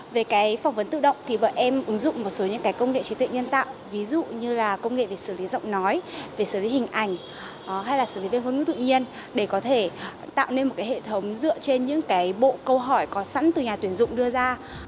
về phỏng vấn tự động bọn em ứng dụng một số công nghệ trí tuệ nhân tạo ví dụ như công nghệ về xử lý giọng nói về xử lý hình ảnh hay là xử lý viên ngôn ngữ tự nhiên để có thể tạo nên một hệ thống dựa trên những bộ câu hỏi có sẵn từ nhà tuyển dụng đưa ra